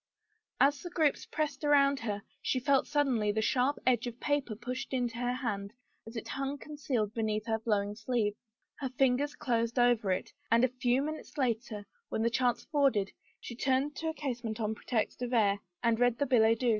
As the groups pressed around her, she felt suddenly the sharp edge of paper pushed into her hand as it hung concealed beneath her flowing sleeve. Her fingers closed over it, and a few minutes later, when the chance afforded, she turned to a casement on pretext of air, and read the billet doux.